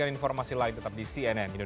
bagi aparat penegak hukum kita